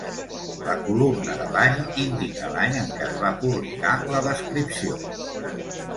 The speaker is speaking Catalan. La columna de l'any indica l'any en què es va publicar la descripció.